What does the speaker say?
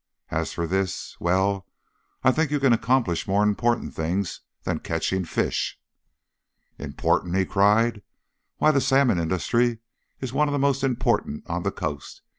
As for this well, I think you can accomplish more important things than catching fish." "Important!" he cried. "Why, the salmon industry is one of the most important on the Coast.